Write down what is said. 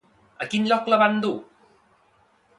A quin lloc la van dur?